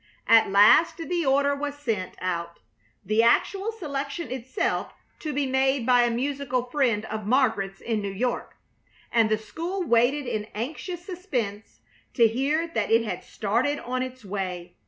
At last the order was sent out, the actual selection itself to be made by a musical friend of Margaret's in New York, and the school waited in anxious suspense to hear that it had started on its way.